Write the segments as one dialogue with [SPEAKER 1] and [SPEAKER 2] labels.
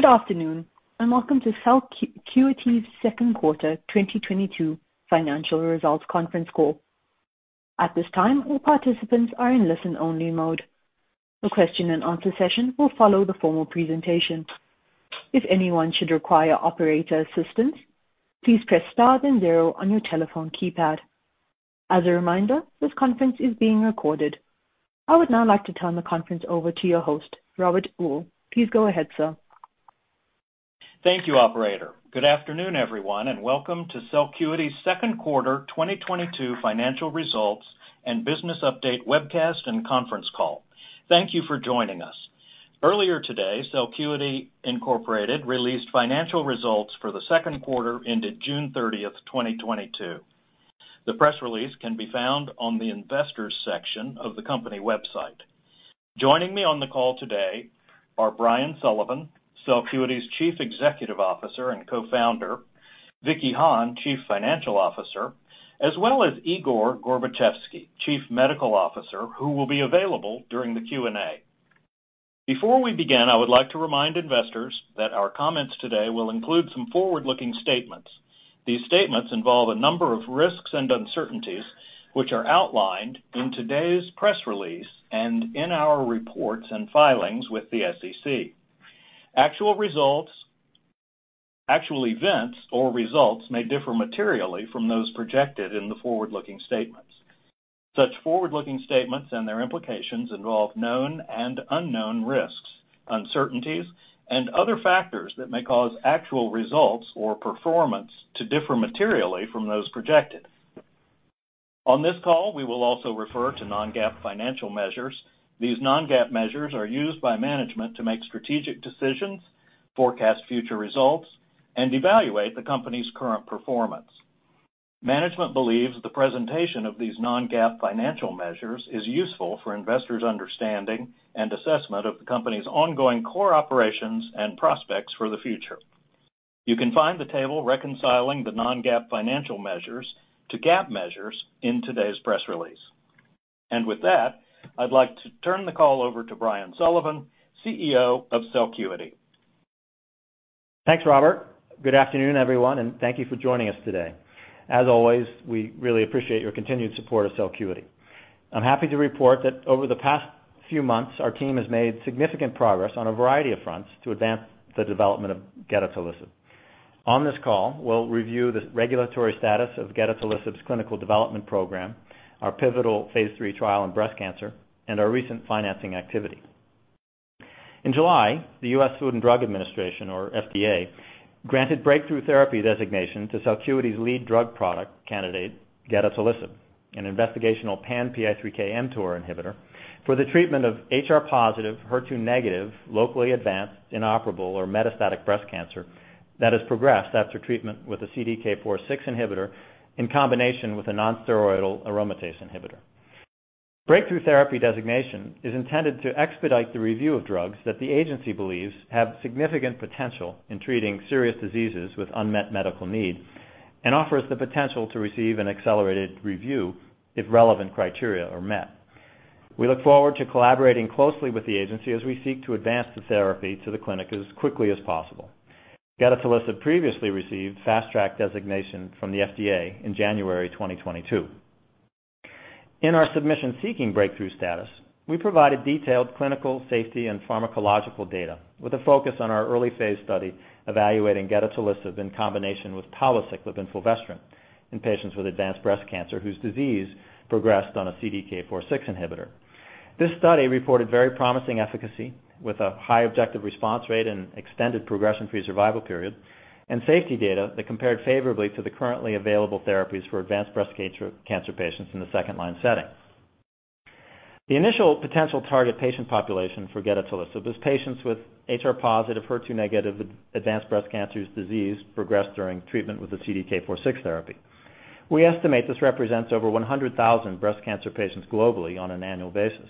[SPEAKER 1] Good afternoon, and welcome to Celcuity's second quarter 2022 financial results conference call. At this time, all participants are in listen-only mode. A question and answer session will follow the formal presentation. If anyone should require operator assistance, please press star then zero on your telephone keypad. As a reminder, this conference is being recorded. I would now like to turn the conference over to your host, Robert Uhl. Please go ahead, sir.
[SPEAKER 2] Thank you, operator. Good afternoon, everyone, and welcome to Celcuity's second quarter 2022 financial results and business update webcast and conference call. Thank you for joining us. Earlier today, Celcuity Inc. released financial results for the second quarter ended June 30, 2022. The press release can be found on the investors section of the company website. Joining me on the call today are Brian Sullivan, Celcuity's Chief Executive Officer and Co-founder, Vicky Hahne, Chief Financial Officer, as well as Igor Gorbatchevsky, Chief Medical Officer, who will be available during the Q&A. Before we begin, I would like to remind investors that our comments today will include some forward-looking statements. These statements involve a number of risks and uncertainties, which are outlined in today's press release and in our reports and filings with the SEC. Actual results. Actual events or results may differ materially from those projected in the forward-looking statements. Such forward-looking statements and their implications involve known and unknown risks, uncertainties, and other factors that may cause actual results or performance to differ materially from those projected. On this call, we will also refer to non-GAAP financial measures. These non-GAAP measures are used by management to make strategic decisions, forecast future results, and evaluate the company's current performance. Management believes the presentation of these non-GAAP financial measures is useful for investors' understanding and assessment of the company's ongoing core operations and prospects for the future. You can find the table reconciling the non-GAAP financial measures to GAAP measures in today's press release. With that, I'd like to turn the call over to Brian Sullivan, CEO of Celcuity.
[SPEAKER 3] Thanks, Robert. Good afternoon, everyone, and thank you for joining us today. As always, we really appreciate your continued support of Celcuity. I'm happy to report that over the past few months, our team has made significant progress on a variety of fronts to advance the development of gedatolisib. On this call, we'll review the regulatory status of gedatolisib's clinical development program, our pivotal phase III trial in breast cancer, and our recent financing activity. In July, the US Food and Drug Administration, or FDA, granted breakthrough therapy designation to Celcuity's lead drug product candidate, gedatolisib, an investigational pan-PI3K/mTOR inhibitor for the treatment of HR-positive, HER2-negative, locally advanced, inoperable, or metastatic breast cancer that has progressed after treatment with a CDK4/6 inhibitor in combination with a nonsteroidal aromatase inhibitor. Breakthrough Therapy designation is intended to expedite the review of drugs that the agency believes have significant potential in treating serious diseases with unmet medical need and offers the potential to receive an accelerated review if relevant criteria are met. We look forward to collaborating closely with the agency as we seek to advance the therapy to the clinic as quickly as possible. Gedatolisib previously received Fast Track designation from the FDA in January 2022. In our submission seeking breakthrough status, we provided detailed clinical, safety, and pharmacological data with a focus on our early phase study evaluating gedatolisib in combination with palbociclib and fulvestrant in patients with advanced breast cancer whose disease progressed on a CDK4/6 inhibitor. This study reported very promising efficacy with a high objective response rate and extended progression-free survival period and safety data that compared favorably to the currently available therapies for advanced breast cancer patients in the second-line setting. The initial potential target patient population for gedatolisib is patients with HR-positive, HER2-negative advanced breast cancer whose disease progressed during treatment with the CDK4/6 therapy. We estimate this represents over 100,000 breast cancer patients globally on an annual basis.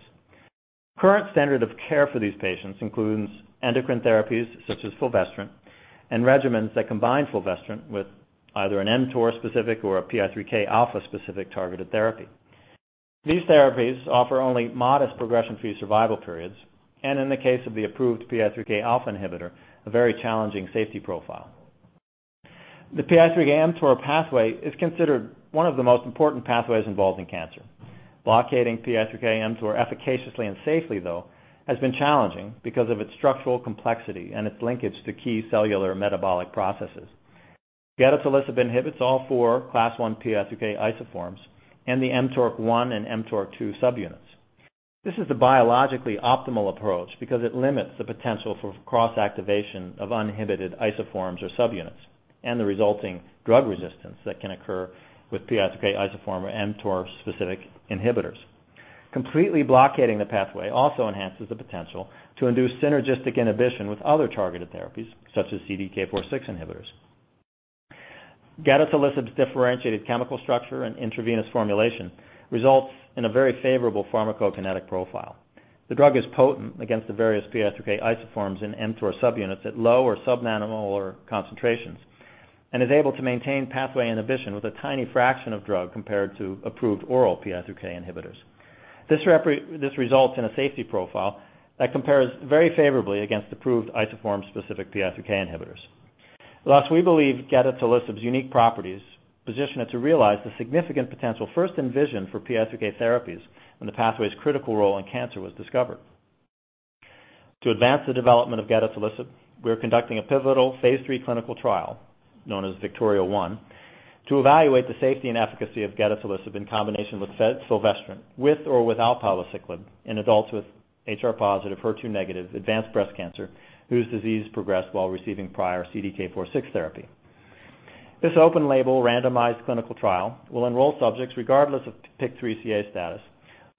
[SPEAKER 3] Current standard of care for these patients includes endocrine therapies such as fulvestrant and regimens that combine fulvestrant with either an mTOR-specific or a PI3K alpha-specific targeted therapy. These therapies offer only modest progression-free survival periods, and in the case of the approved PI3K alpha inhibitor, a very challenging safety profile. The PI3K/mTOR pathway is considered one of the most important pathways involved in cancer. Blocking PI3K/mTOR efficaciously and safely, though, has been challenging because of its structural complexity and its linkage to key cellular metabolic processes. Gedatolisib inhibits all four Class I PI3K isoforms and the mTORC1 and mTORC2 subunits. This is the biologically optimal approach because it limits the potential for cross-activation of uninhibited isoforms or subunits and the resulting drug resistance that can occur with PI3K isoform or mTOR-specific inhibitors. Completely blocking the pathway also enhances the potential to induce synergistic inhibition with other targeted therapies, such as CDK4/6 inhibitors. Gedatolisib's differentiated chemical structure and intravenous formulation results in a very favorable pharmacokinetic profile. The drug is potent against the various PI3K isoforms and mTOR subunits at low or subnanomolar concentrations and is able to maintain pathway inhibition with a tiny fraction of drug compared to approved oral PI3K inhibitors. This results in a safety profile that compares very favorably against the approved isoform specific PI3K inhibitors. Last, we believe gedatolisib's unique properties position it to realize the significant potential first envisioned for PI3K therapies when the pathway's critical role in cancer was discovered. To advance the development of gedatolisib, we are conducting a pivotal phase III clinical trial known as VICTORIA-1 to evaluate the safety and efficacy of gedatolisib in combination with fulvestrant, with or without palbociclib in adults with HR-positive, HER2-negative advanced breast cancer whose disease progressed while receiving prior CDK 4/6 therapy. This open label randomized clinical trial will enroll subjects regardless of PIK3CA status,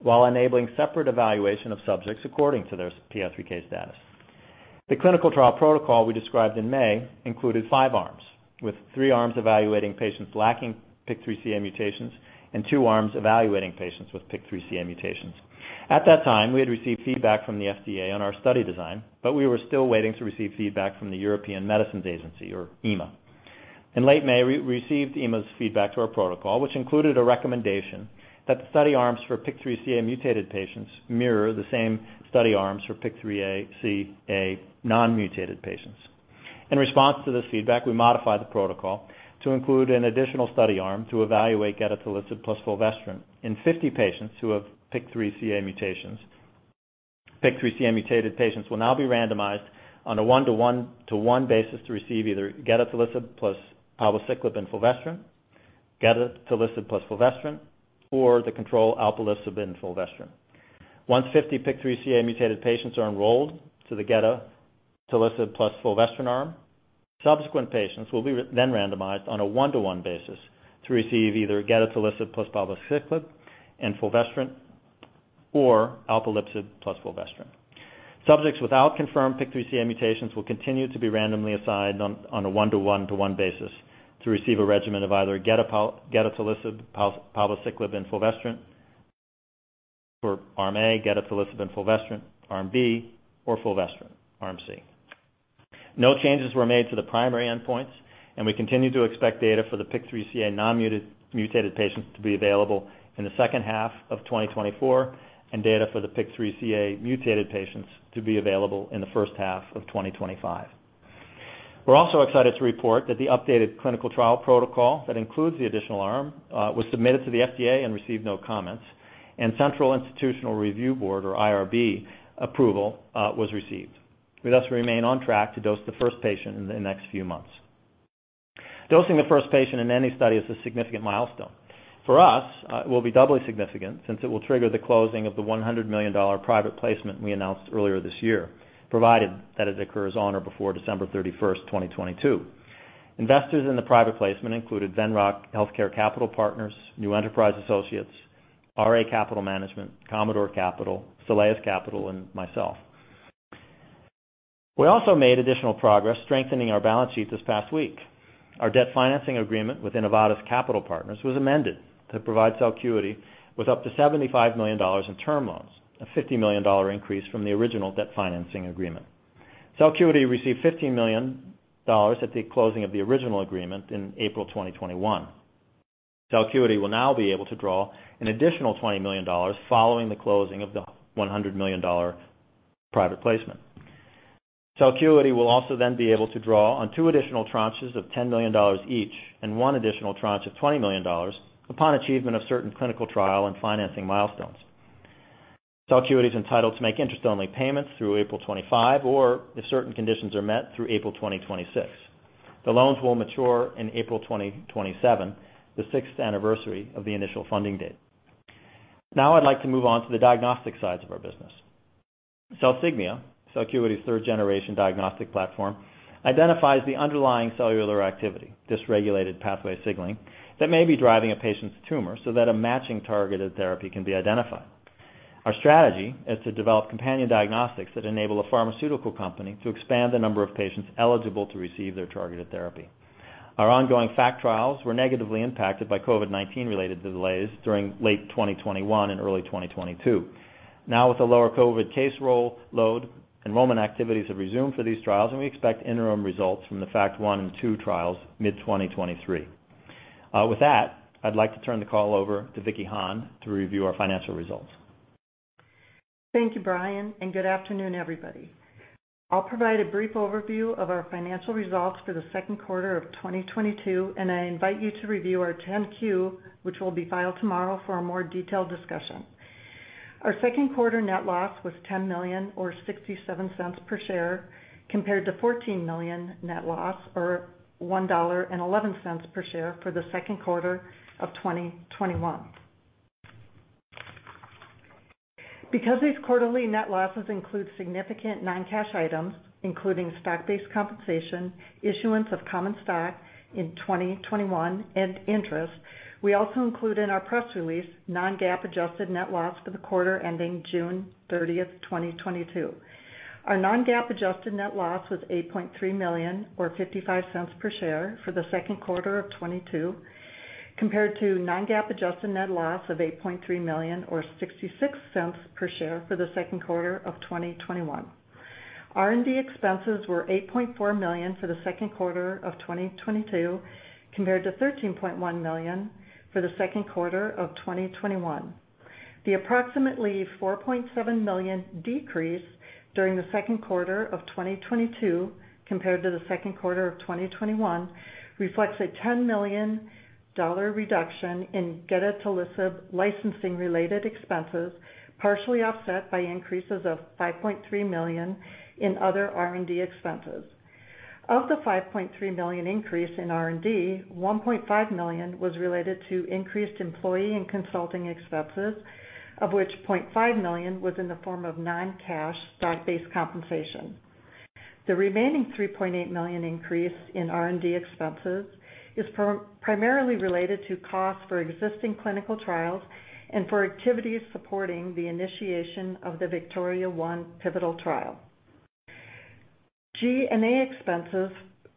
[SPEAKER 3] while enabling separate evaluation of subjects according to their PI3K status. The clinical trial protocol we described in May included 5 arms, with 3 arms evaluating patients lacking PIK3CA mutations and 2 arms evaluating patients with PIK3CA mutations. At that time, we had received feedback from the FDA on our study design, but we were still waiting to receive feedback from the European Medicines Agency, or EMA. In late May, we received EMA's feedback to our protocol, which included a recommendation that the study arms for PIK3CA mutated patients mirror the same study arms for PIK3CA non-mutated patients. In response to this feedback, we modified the protocol to include an additional study arm to evaluate gedatolisib plus fulvestrant in 50 patients who have PIK3CA mutations. PIK3CA mutated patients will now be randomized on a 1-to-1-to-1 basis to receive either gedatolisib plus palbociclib and fulvestrant, gedatolisib plus fulvestrant, or the control alpelisib and fulvestrant. Once 50 PIK3CA mutated patients are enrolled to the gedatolisib plus fulvestrant arm, subsequent patients will be randomized on a 1-to-1 basis to receive either gedatolisib plus palbociclib and fulvestrant or alpelisib plus fulvestrant. Subjects without confirmed PIK3CA mutations will continue to be randomly assigned on a 1-to-1-to-1 basis to receive a regimen of either gedatolisib, palbociclib and fulvestrant for arm A, gedatolisib and fulvestrant, arm B, or fulvestrant, arm C. No changes were made to the primary endpoints, and we continue to expect data for the PIK3CA non-mutated patients to be available in the second half of 2024, and data for the PIK3CA mutated patients to be available in the first half of 2025. We're also excited to report that the updated clinical trial protocol that includes the additional arm was submitted to the FDA and received no comments, and central Institutional Review Board or IRB approval was received. We thus remain on track to dose the first patient in the next few months. Dosing the first patient in any study is a significant milestone. For us, it will be doubly significant since it will trigger the closing of the $100 million private placement we announced earlier this year, provided that it occurs on or before December 31, 2022. Investors in the private placement included Venrock Healthcare Capital Partners, New Enterprise Associates, RA Capital Management, Commodore Capital, Soleus Capital, and myself. We also made additional progress strengthening our balance sheet this past week. Our debt financing agreement with Innovatus Capital Partners was amended to provide Celcuity with up to $75 million in term loans, a $50 million increase from the original debt financing agreement. Celcuity received $15 million at the closing of the original agreement in April 2021. Celcuity will now be able to draw an additional $20 million following the closing of the $100 million private placement. Celcuity will also then be able to draw on two additional tranches of $10 million each and one additional tranche of $20 million upon achievement of certain clinical trial and financing milestones. Celcuity is entitled to make interest-only payments through April 2025 or, if certain conditions are met, through April 2026. The loans will mature in April 2027, the sixth anniversary of the initial funding date. Now I'd like to move on to the diagnostic sides of our business. CELsignia, Celcuity's third generation diagnostic platform, identifies the underlying cellular activity, dysregulated pathway signaling that may be driving a patient's tumor so that a matching targeted therapy can be identified. Our strategy is to develop companion diagnostics that enable a pharmaceutical company to expand the number of patients eligible to receive their targeted therapy. Our ongoing FACT trials were negatively impacted by COVID-19 related delays during late 2021 and early 2022. Now with a lower COVID caseload, enrollment activities have resumed for these trials, and we expect interim results from the FACT 1 and 2 trials mid-2023. With that, I'd like to turn the call over to Vicky Hahne to review our financial results.
[SPEAKER 4] Thank you, Brian, and good afternoon, everybody. I'll provide a brief overview of our financial results for the second quarter of 2022, and I invite you to review our 10-Q, which will be filed tomorrow for a more detailed discussion. Our second quarter net loss was $10 million or $0.67 per share, compared to $14 million net loss or $1.11 per share for the second quarter of 2021. Because these quarterly net losses include significant non-cash items, including stock-based compensation, issuance of common stock in 2021, and interest, we also include in our press release non-GAAP adjusted net loss for the quarter ending June 30, 2022. Our non-GAAP adjusted net loss was $8.3 million or $0.55 per share for the second quarter of 2022, compared to non-GAAP adjusted net loss of $8.3 million or $0.66 per share for the second quarter of 2021. R&D expenses were $8.4 million for the second quarter of 2022, compared to $13.1 million for the second quarter of 2021. The approximately $4.7 million decrease during the second quarter of 2022 compared to the second quarter of 2021 reflects a $10 million reduction in gedatolisib licensing related expenses, partially offset by increases of $5.3 million in other R&D expenses. Of the $5.3 million increase in R&D, $1.5 million was related to increased employee and consulting expenses, of which $0.5 million was in the form of non-cash stock-based compensation. The remaining $3.8 million increase in R&D expenses is primarily related to costs for existing clinical trials and for activities supporting the initiation of the VICTORIA-1 pivotal trial. G&A expenses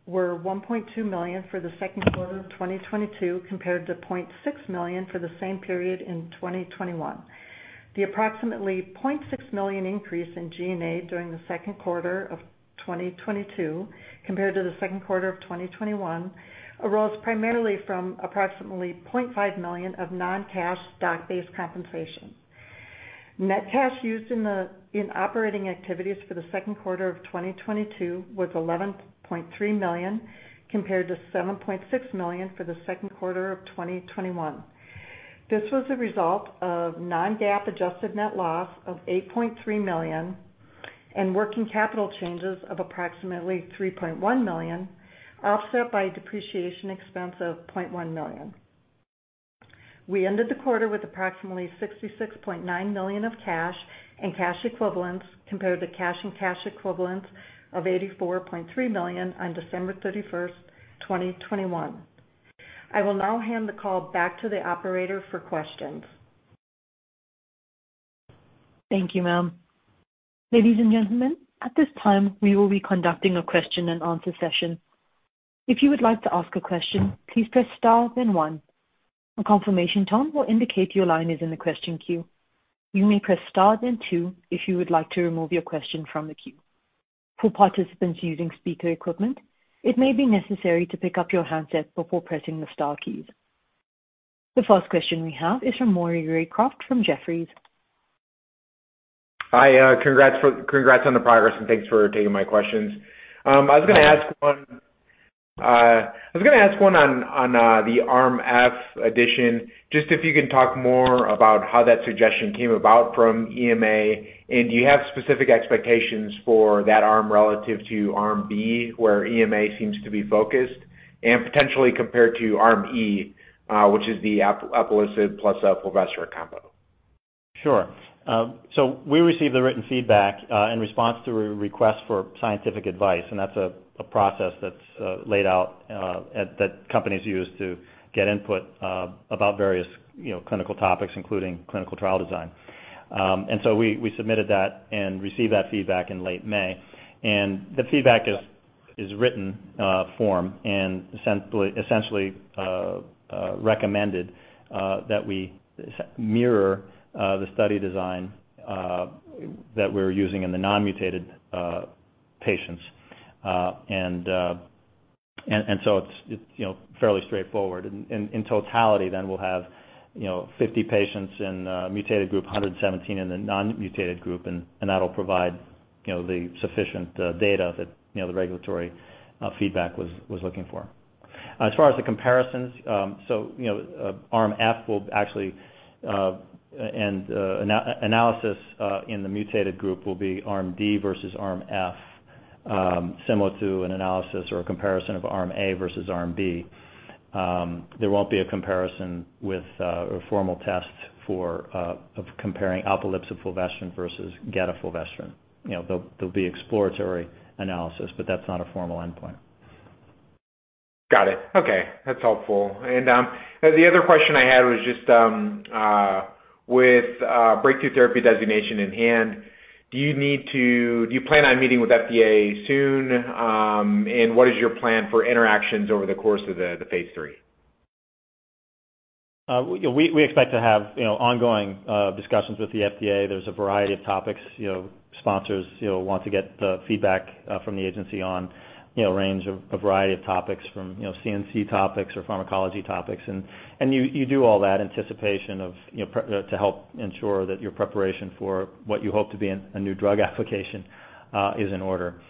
[SPEAKER 4] were $1.2 million for the second quarter of 2022 compared to $0.6 million for the same period in 2021. The approximately $0.6 million increase in G&A during the second quarter of 2022 compared to the second quarter of 2021 arose primarily from approximately $0.5 million of non-cash stock-based compensation. Net cash used in operating activities for the second quarter of 2022 was $11.3 million compared to $7.6 million for the second quarter of 2021. This was a result of non-GAAP adjusted net loss of $8.3 million and working capital changes of approximately $3.1 million, offset by depreciation expense of $0.1 million. We ended the quarter with approximately $66.9 million of cash and cash equivalents compared to cash and cash equivalents of $84.3 million on December 31, 2021. I will now hand the call back to the operator for questions.
[SPEAKER 1] Thank you, ma'am. Ladies and gentlemen, at this time, we will be conducting a question and answer session. If you would like to ask a question, please press star then one. A confirmation tone will indicate your line is in the question queue. You may press star then two if you would like to remove your question from the queue. For participants using speaker equipment, it may be necessary to pick up your handset before pressing the star keys. The first question we have is from Maury Raycroft from Jefferies.
[SPEAKER 5] Hi, congrats on the progress, and thanks for taking my questions. I was gonna ask one on the arm F addition, just if you can talk more about how that suggestion came about from EMA, and do you have specific expectations for that arm relative to arm B, where EMA seems to be focused, and potentially compared to arm E, which is the alpelisib plus fulvestrant combo?
[SPEAKER 3] Sure. So we received the written feedback in response to a request for scientific advice, and that's a process that's laid out that companies use to get input about various, you know, clinical topics, including clinical trial design. We submitted that and received that feedback in late May. The feedback is in written form and essentially recommended that we mirror the study design that we're using in the non-mutated patients. It's, you know, fairly straightforward. In totality, we'll have, you know, 50 patients in mutated group, 117 in the non-mutated group, and that'll provide, you know, the sufficient data that, you know, the regulatory feedback was looking for. As far as the comparisons, you know, arm F will actually an analysis in the mutated group will be arm D versus arm F, similar to an analysis or a comparison of arm A versus arm B. There won't be a comparison or formal tests for comparing alpelisib fulvestrant versus gedatolisib fulvestrant. You know, there'll be exploratory analysis, but that's not a formal endpoint.
[SPEAKER 5] Got it. Okay, that's helpful. The other question I had was just with Breakthrough Therapy designation in hand, do you plan on meeting with FDA soon? What is your plan for interactions over the course of the phase 3?
[SPEAKER 3] We expect to have, you know, ongoing discussions with the FDA. There's a variety of topics, you know, sponsors, you know, want to get the feedback from the agency on, you know, a range of, a variety of topics from, you know, CMC topics or pharmacology topics. You do all that in anticipation of, you know, to help ensure that your preparation for what you hope to be a new drug application is in order.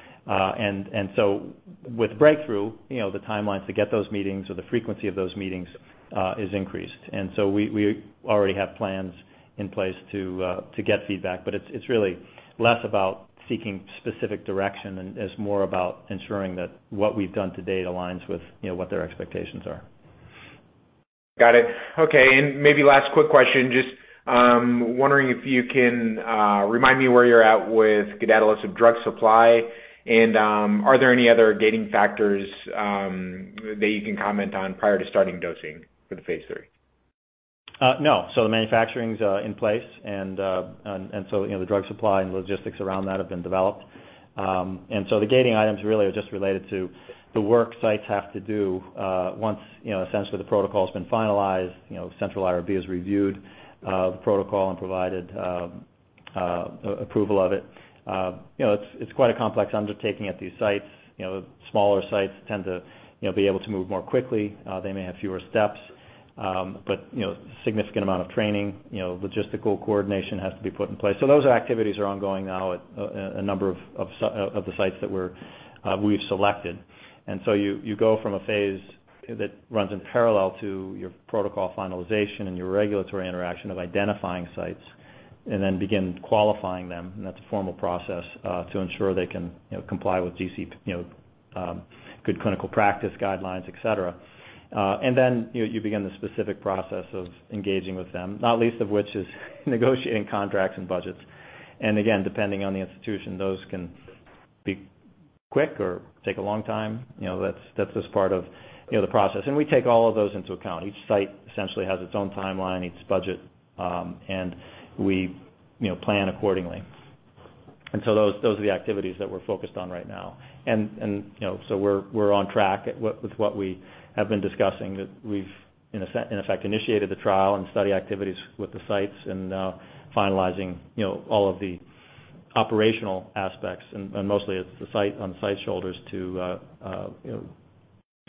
[SPEAKER 3] With breakthrough, you know, the timelines to get those meetings or the frequency of those meetings is increased. We already have plans in place to get feedback, but it's really less about seeking specific direction and is more about ensuring that what we've done to date aligns with, you know, what their expectations are.
[SPEAKER 5] Got it. Okay, maybe last quick question. Just wondering if you can remind me where you're at with gedatolisib drug supply, and are there any other gating factors that you can comment on prior to starting dosing for the phase 3?
[SPEAKER 3] No. The manufacturing's in place and so, you know, the drug supply and logistics around that have been developed. The gating items really are just related to the work sites have to do, once, you know, essentially the protocol's been finalized, you know, central IRB has reviewed the protocol and provided Approval of it. You know, it's quite a complex undertaking at these sites. You know, smaller sites tend to, you know, be able to move more quickly. They may have fewer steps, but you know, significant amount of training, you know, logistical coordination has to be put in place. Those activities are ongoing now at a number of the sites that we've selected. You go from a phase that runs in parallel to your protocol finalization and your regulatory interaction of identifying sites, and then begin qualifying them, and that's a formal process to ensure they can, you know, comply with GCP, good clinical practice guidelines, etc. Then, you know, you begin the specific process of engaging with them, not least of which is negotiating contracts and budgets. Again, depending on the institution, those can be quick or take a long time. You know, that's just part of, you know, the process. We take all of those into account. Each site essentially has its own timeline, its budget, and we, you know, plan accordingly. Those are the activities that we're focused on right now. You know, so we're on track with what we have been discussing. That we've in effect initiated the trial and study activities with the sites and now finalizing, you know, all of the operational aspects. Mostly it's the site, on the site's shoulders to, you know,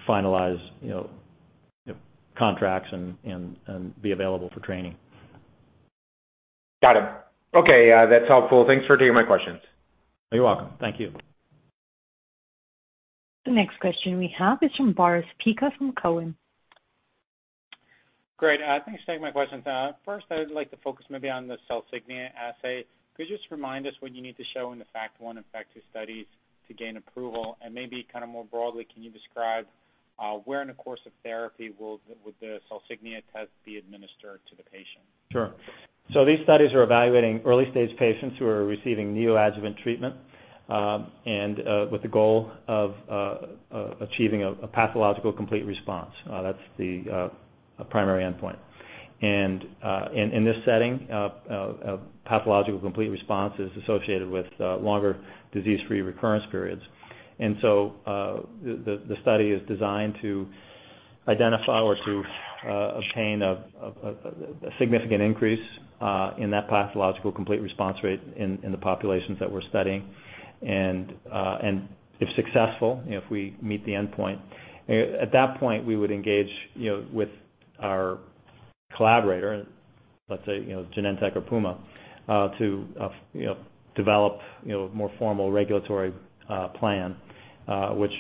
[SPEAKER 3] finalize, you know, contracts and be available for training.
[SPEAKER 5] Got it. Okay. That's helpful. Thanks for taking my questions.
[SPEAKER 3] You're welcome. Thank you.
[SPEAKER 1] The next question we have is from Boris Peaker from Cowen.
[SPEAKER 6] Great. Thanks for taking my questions. First, I would like to focus maybe on the CELsignia assay. Could you just remind us what you need to show in the FACT 1 and FACT 2 studies to gain approval? Maybe kind of more broadly, can you describe where in the course of therapy will the CELsignia test be administered to the patient?
[SPEAKER 3] Sure. These studies are evaluating early-stage patients who are receiving neoadjuvant treatment, and with the goal of achieving a pathological complete response. That's the primary endpoint. In this setting, pathological complete response is associated with longer disease-free recurrence periods. The study is designed to identify or to obtain a significant increase in that pathological complete response rate in the populations that we're studying. If successful, if we meet the endpoint, at that point, we would engage, you know, with our collaborator, let's say, you know, Genentech or Puma to, you know, develop, you know, more formal regulatory plan, which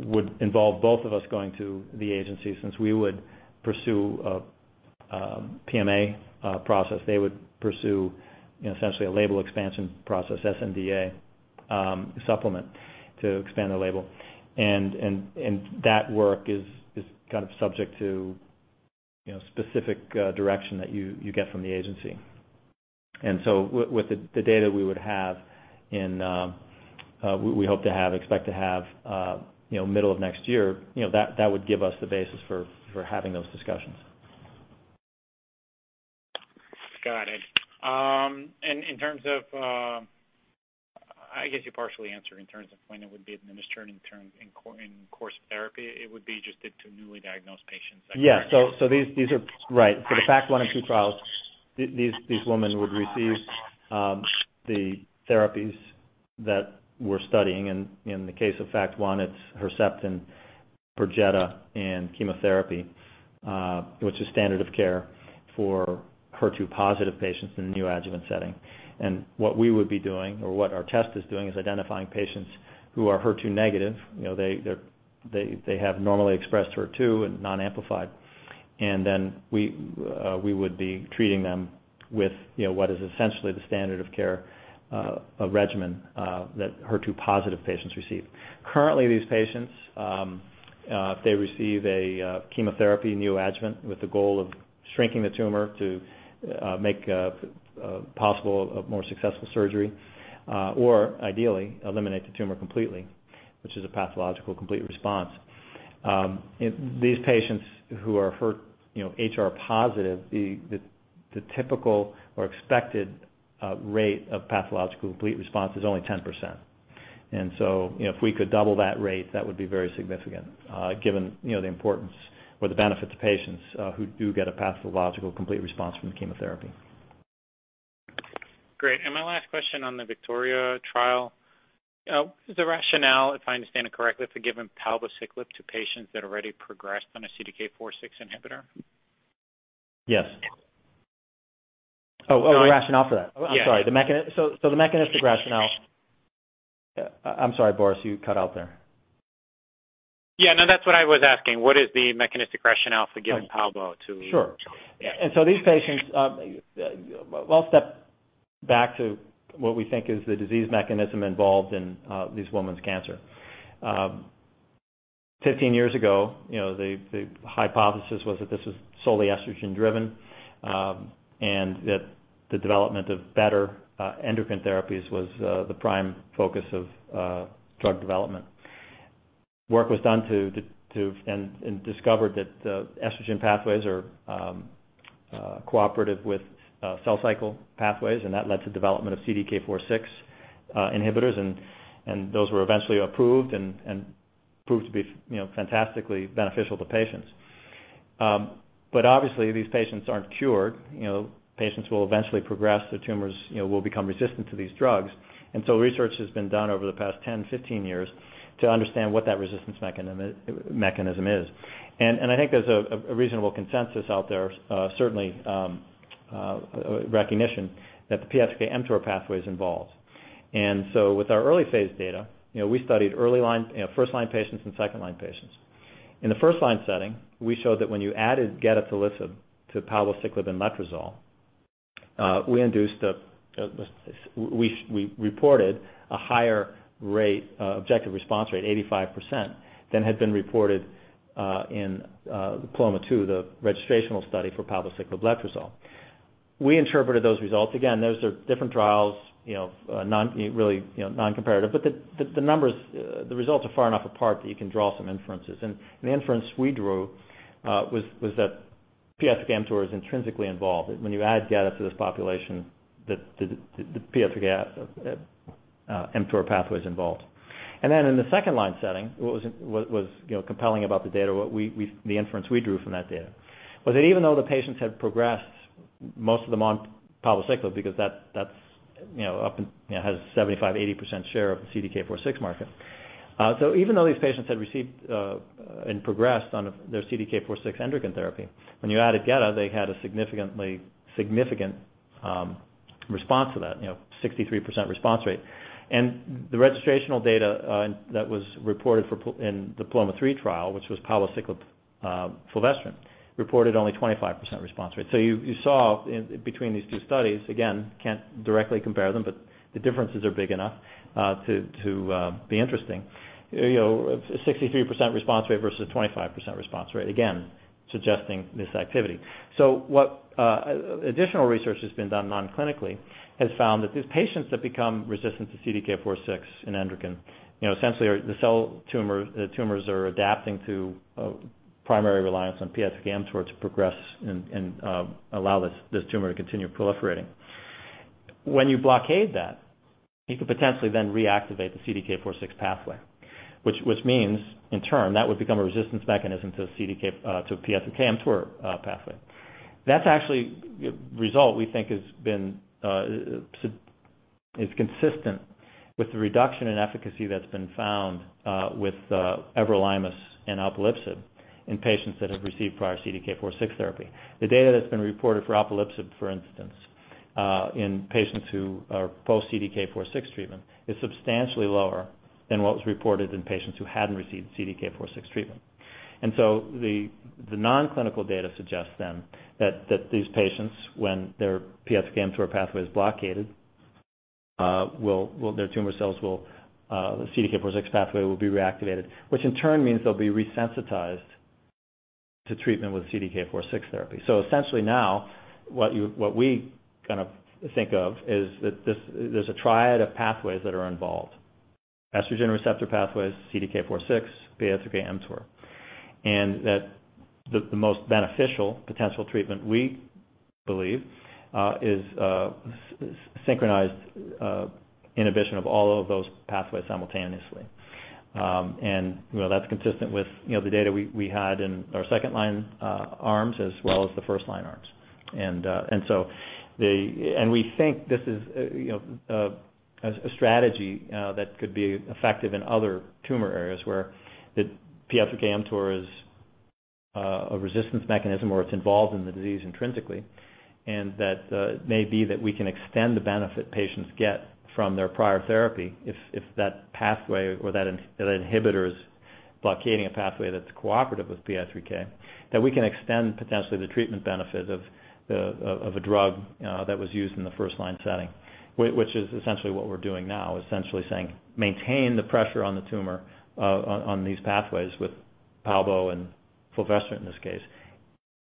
[SPEAKER 3] would involve both of us going to the agency. Since we would pursue PMA process, they would pursue, you know, essentially a label expansion process, sNDA supplement to expand the label. That work is kind of subject to, you know, specific direction that you get from the agency. With the data we would have in, we hope to have, expect to have, you know, middle of next year, you know, that would give us the basis for having those discussions.
[SPEAKER 6] Got it. In terms of, I guess you partially answered in terms of when it would be administered in terms, in course of therapy, it would be just to newly diagnosed patients. I presume.
[SPEAKER 3] These are the FACT 1 and 2 trials. These women would receive the therapies that we're studying. In the case of FACT 1, it's Herceptin, Perjeta and chemotherapy, which is standard of care for HER2-positive patients in the neoadjuvant setting. What we would be doing, or what our test is doing, is identifying patients who are HER2-negative. You know, they have normally expressed HER2 and non-amplified. We would be treating them with, you know, what is essentially the standard of care regimen that HER2-positive patients receive. Currently, these patients receive neoadjuvant chemotherapy with the goal of shrinking the tumor to make a more successful surgery or ideally eliminate the tumor completely, which is a pathological complete response. These patients who are HR-positive, the typical or expected rate of pathological complete response is only 10%. You know, if we could double that rate, that would be very significant, given, you know, the importance or the benefit to patients who do get a pathological complete response from the chemotherapy.
[SPEAKER 6] Great. My last question on the VICTORIA trial. Is the rationale, if I understand it correctly, for giving palbociclib to patients that already progressed on a CDK4/6 inhibitor?
[SPEAKER 3] Yes. Oh, the rationale for that?
[SPEAKER 6] Yes.
[SPEAKER 3] I'm sorry. The mechanistic rationale. I'm sorry, Boris, you cut out there.
[SPEAKER 6] Yeah, no, that's what I was asking. What is the mechanistic rationale for giving palbo to-
[SPEAKER 3] Sure. These patients, well, I'll step back to what we think is the disease mechanism involved in these women's cancer. Fifteen years ago, you know, the hypothesis was that this was solely estrogen-driven, and that the development of better endocrine therapies was the prime focus of drug development. Work was done and discovered that estrogen pathways are cooperative with cell cycle pathways, and that led to development of CDK4/6 inhibitors. Those were eventually approved and proved to be fantastically beneficial to patients. Obviously these patients aren't cured. You know, patients will eventually progress. The tumors, you know, will become resistant to these drugs. Research has been done over the past ten, fifteen years to understand what that resistance mechanism is. I think there's a reasonable consensus out there, certainly, a recognition that the PI3K/mTOR pathway is involved. With our early phase data, you know, we studied first line patients and second line patients. In the first line setting, we showed that when you added gedatolisib to palbociclib and letrozole, we reported a higher rate, objective response rate, 85%, than had been reported in PALOMA-2, the registrational study for palbociclib/letrozole. We interpreted those results. Again, those are different trials, you know, really, you know, non-comparative, but the numbers, the results are far enough apart that you can draw some inferences. The inference we drew was that PI3K/mTOR is intrinsically involved. When you add gedatolisib to this population, the PI3K mTOR pathway is involved. Then in the second line setting, what was compelling about the data, the inference we drew from that data was that even though the patients had progressed, most of them on palbociclib because that's you know has 75%-80% share of the CDK4/6 market. So even though these patients had received and progressed on their CDK4/6 endocrine therapy, when you added gedatolisib, they had a significant response to that, you know, 63% response rate. The registrational data that was reported in the PALOMA-3 trial, which was palbociclib fulvestrant, reported only 25% response rate. You saw in between these two studies, again, can't directly compare them, but the differences are big enough to be interesting. You know, 63% response rate versus a 25% response rate, again, suggesting this activity. What additional research has been done non-clinically has found that these patients that become resistant to CDK4/6 in endocrine, you know, essentially the tumors are adapting to a primary reliance on PI3K/mTOR to progress and allow this tumor to continue proliferating. When you blockade that, you could potentially then reactivate the CDK4/6 pathway, which means in turn that would become a resistance mechanism to PI3K/mTOR pathway. That's actually a result we think has been is consistent with the reduction in efficacy that's been found with everolimus and alpelisib in patients that have received prior CDK4/6 therapy. The data that's been reported for alpelisib, for instance, in patients who are post-CDK4/6 treatment, is substantially lower than what was reported in patients who hadn't received CDK4/6 treatment. The non-clinical data suggests that these patients, when their PI3K/mTOR pathway is blockaded, the CDK4/6 pathway will be reactivated, which in turn means they'll be resensitized to treatment with CDK4/6 therapy. Essentially now what we kind of think of is that there's a triad of pathways that are involved. Estrogen receptor pathways, CDK4/6, PI3K/mTOR. that the most beneficial potential treatment, we believe, is synchronized inhibition of all of those pathways simultaneously. you know, that's consistent with, you know, the data we had in our second line arms as well as the first line arms. the We think this is, you know, a strategy that could be effective in other tumor areas where the PI3K/mTOR is a resistance mechanism or it's involved in the disease intrinsically, and that it may be that we can extend the benefit patients get from their prior therapy if that pathway or that inhibitor is blockading a pathway that's cooperative with PI3K, that we can extend potentially the treatment benefit of a drug that was used in the first line setting, which is essentially what we're doing now, essentially saying maintain the pressure on the tumor on these pathways with palbo and fulvestrant in this case,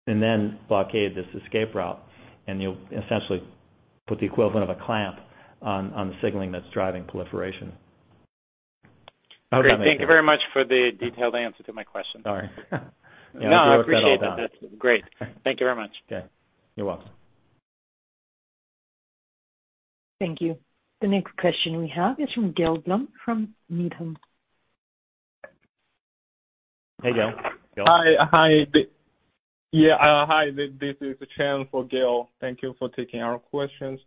[SPEAKER 3] and then blockade this escape route, and you'll essentially put the equivalent of a clamp on the signaling that's driving proliferation.
[SPEAKER 6] Great. Thank you very much for the detailed answer to my question.
[SPEAKER 3] Sorry.
[SPEAKER 6] No, I appreciate that. That's great. Thank you very much.
[SPEAKER 3] Okay. You're welcome.
[SPEAKER 1] Thank you. The next question we have is from Gil Blum from Needham.
[SPEAKER 3] Hey, Gil.
[SPEAKER 7] Hi. Yeah, hi, this is Sean for Gil. Thank you for taking our questions.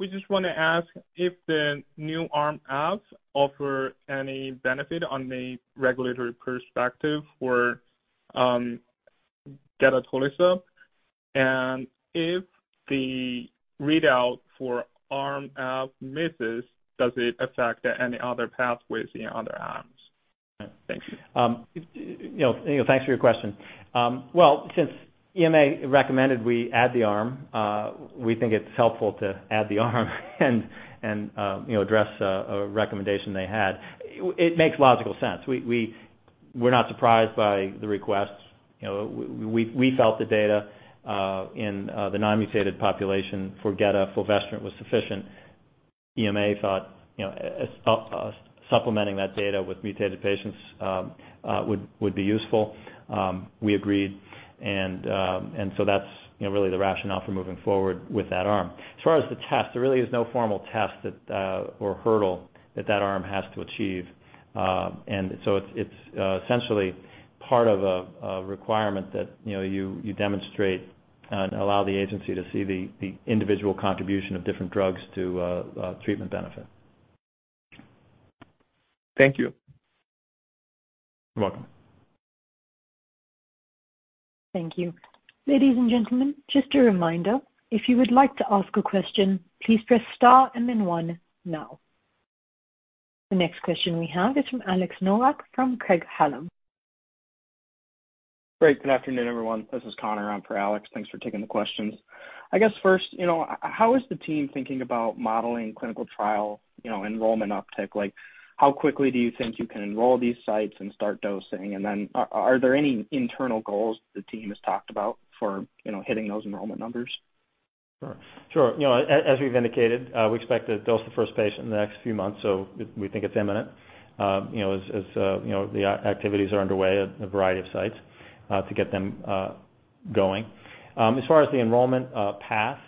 [SPEAKER 7] We just wanna ask if the new arm F offer any benefit on the regulatory perspective for gedatolisib. And if the readout for arm F misses, does it affect any other pathways in other arms? Yeah. Thank you.
[SPEAKER 3] You know, thanks for your question. Well, since EMA recommended we add the arm, we think it's helpful to add the arm and, you know, address a recommendation they had. It makes logical sense. We're not surprised by the requests. You know, we felt the data in the non-mutated population for Geda, fulvestrant was sufficient. EMA thought, you know, supplementing that data with mutated patients would be useful. We agreed and so that's, you know, really the rationale for moving forward with that arm. As far as the test, there really is no formal test that or hurdle that arm has to achieve. It's essentially part of a requirement that, you know, you demonstrate and allow the agency to see the individual contribution of different drugs to treatment benefit.
[SPEAKER 7] Thank you.
[SPEAKER 3] You're welcome.
[SPEAKER 1] Thank you. Ladies and gentlemen, just a reminder, if you would like to ask a question, please press star and then one now. The next question we have is from Alex Nowak from Craig-Hallum.
[SPEAKER 8] Great. Good afternoon, everyone. This is Connor on for Alex Nowak. Thanks for taking the questions. I guess first, you know, how is the team thinking about modeling clinical trial, you know, enrollment uptick? Like, how quickly do you think you can enroll these sites and start dosing? Are there any internal goals the team has talked about for, you know, hitting those enrollment numbers?
[SPEAKER 3] Sure. You know, as we've indicated, we expect to dose the first patient in the next few months, so we think it's imminent. You know, as you know, the activities are underway at a variety of sites to get them going. As far as the enrollment path,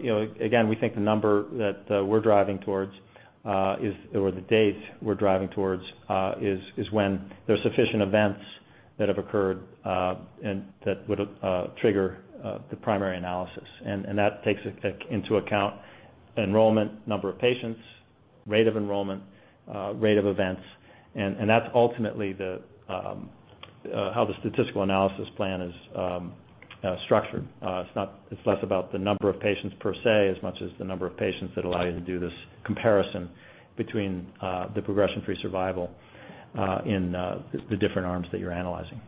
[SPEAKER 3] you know, again, we think the date we're driving towards is when there's sufficient events that have occurred, and that would trigger the primary analysis. That takes into account enrollment, number of patients, rate of enrollment, rate of events. That's ultimately how the statistical analysis plan is structured. It's not. It's less about the number of patients per se, as much as the number of patients that allow you to do this comparison between the progression-free survival in the different arms that you're analyzing.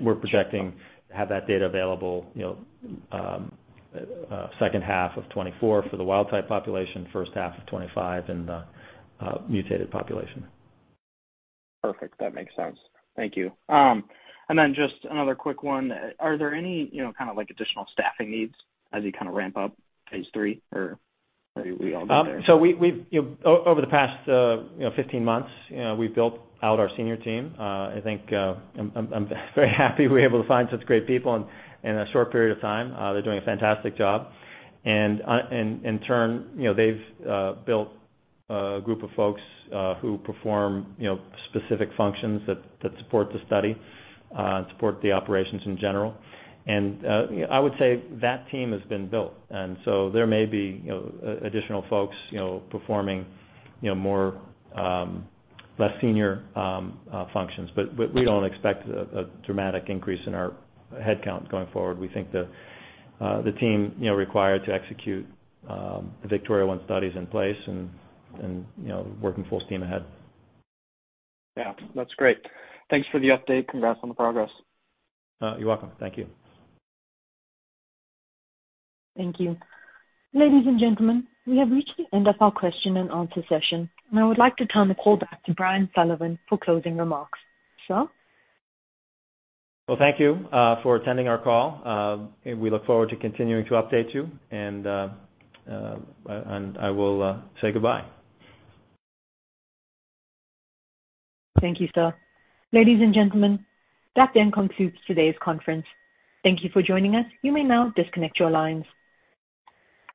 [SPEAKER 3] We're projecting to have that data available, you know, second half of 2024 for the wild type population, first half of 2025 in the mutated population.
[SPEAKER 8] Perfect. That makes sense. Thank you. Just another quick one. Are there any, you know, kind of like additional staffing needs as you kind of ramp up phase III or maybe we all got there?
[SPEAKER 3] We've built out our senior team over the past 15 months. You know, we've built out our senior team. I think I'm very happy we're able to find such great people in a short period of time. They're doing a fantastic job. In turn, you know, they've built a group of folks who perform specific functions that support the study, support the operations in general. I would say that team has been built. There may be additional folks performing more less senior functions. We don't expect a dramatic increase in our headcount going forward. We think the team, you know, required to execute the VICTORIA-1 study is in place and, you know, working full steam ahead.
[SPEAKER 8] Yeah. That's great. Thanks for the update. Congrats on the progress.
[SPEAKER 3] You're welcome. Thank you.
[SPEAKER 1] Thank you. Ladies and gentlemen, we have reached the end of our question and answer session, and I would like to turn the call back to Brian Sullivan for closing remarks. Sir?
[SPEAKER 3] Well, thank you for attending our call. We look forward to continuing to update you. I will say goodbye.
[SPEAKER 1] Thank you, Sir. Ladies and gentlemen, that then concludes today's conference. Thank you for joining us. You may now disconnect your lines.